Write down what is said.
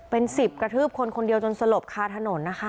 เป็นสิบกระทืบคนคนเดียวจนสลบคาถนนนะคะ